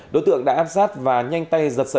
đối tượng đã áp sát và nhanh tay giật sợi